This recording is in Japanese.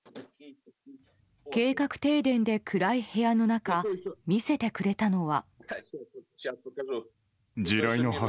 計画停電で暗い部屋の中見せてくれたのは。